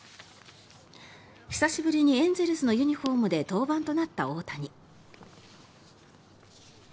久しぶりにエンゼルスのユニホームで登板となった大谷。